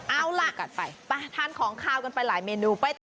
เอาล่ะไปทานของข้าวกันไปหลายเมนูไป